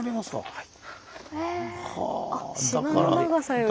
はい。